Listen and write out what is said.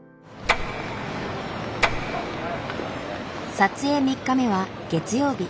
撮影３日目は月曜日。